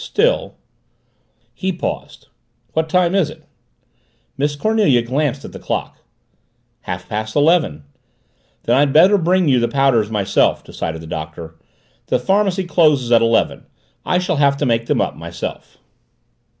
"Still " He paused. "What time is it?" Miss Cornelia glanced at the clock. "Half past eleven." "Then I'd better bring you the powders myself," decided the Doctor. "The pharmacy closes at eleven. I shall have to make them up myself."